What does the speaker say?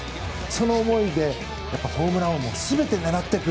その思いで、ホームラン王も全て狙っていく。